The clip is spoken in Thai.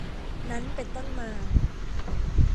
นั้นเป็นต้นมา